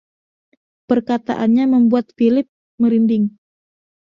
Perkataannya membuat Philip merinding.